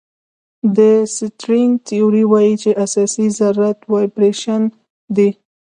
د سټرینګ تیوري وایي چې اساسي ذرات وایبریشن دي.